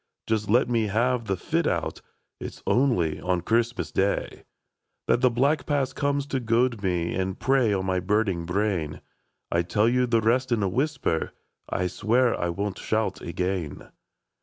Just let me have the fit out. It 's only on Christmas Day That the black past comes to goad me. And prey on my burning brain ; I '11 tell you the rest in a whisper, — I swear I won't shout again.